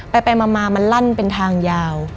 ไปมามันลั่นเป็นทางยาว